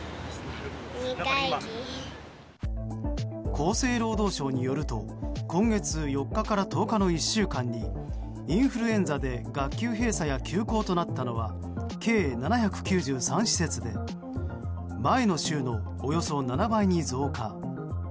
厚生労働省によると今月４日から１０日の１週間にインフルエンザで学級閉鎖や休校となったのは計７９３施設で前の週のおよそ７倍に増加。